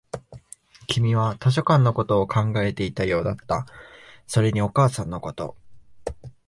君は図書館のことを考えていたようだった、それにお母さんのこと